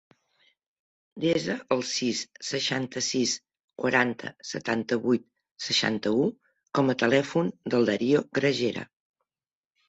Desa el sis, seixanta-sis, quaranta, setanta-vuit, seixanta-u com a telèfon del Dario Gragera.